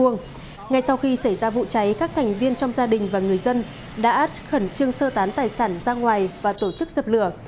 ngay sau khi xảy ra vụ cháy các thành viên trong gia đình và người dân đã khẩn trương sơ tán tài sản ra ngoài và tổ chức dập lửa